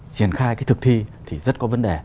triển khai cái thực thi thì rất có vấn đề